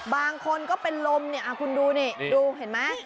บางคนก็เป็นลมเนี่ยคุณดูนี่ดูเห็นไหม